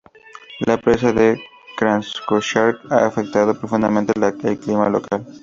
La presa de Krasnoyarsk ha afectado profundamente al clima local.